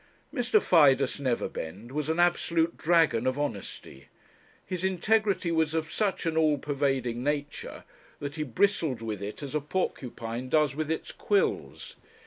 Mr. Fidus Neverbend was an absolute dragon of honesty. His integrity was of such an all pervading nature, that he bristled with it as a porcupine does with its quills.